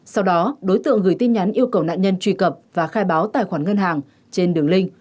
sau đó đối tượng gửi tin nhắn yêu cầu nạn nhân truy cập và khai báo tài khoản ngân hàng trên đường link